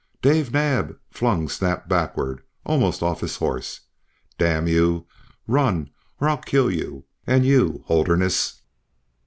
Dave Naab flung Snap backward, almost off his horse. "D n you! run, or I'll kill you. And you, Holderness!